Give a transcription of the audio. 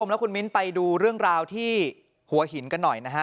แล้วคุณมิ้นไปดูเรื่องราวที่หัวหินกันหน่อยนะฮะ